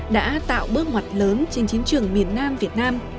đã tạo bước ngoặt lớn trên chiến trường miền nam việt nam